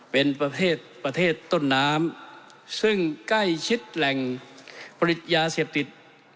เป็นประเทศต้นน้ำซึ่งใกล้ชิดแหล่งผลิตยาเสพติด